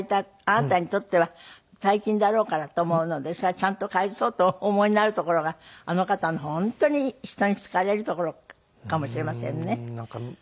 あなたにとっては大金だろうからと思うのでそれはちゃんと返そうとお思いなるところがあの方の本当に人に好かれるところかもしれませんね。